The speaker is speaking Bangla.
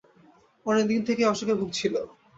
অনেক দিন থেকেই অসুখে ভুগছিল।